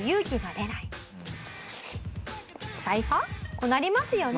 こうなりますよね。